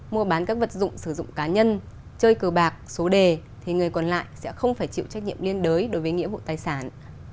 mua bán các vật dụng sử dụng cá nhân chơi cờ bạc số đề thì người còn lại sẽ không phải chịu trách nhiệm liên đới đối với nghĩa vụ tài sản